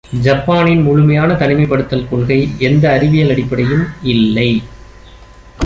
ஜப்பானின் முழுமையான தனிமைப்படுத்தல் கொள்கை ... எந்த அறிவியல் அடிப்படையும் இல்லை.